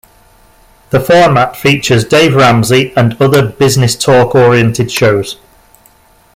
The format features Dave Ramsey and other business-talk oriented shows.